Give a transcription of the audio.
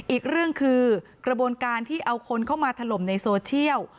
อีกเรื่องคือกระบวนการที่เอาคนเข้ามาถล่มในโซเชียล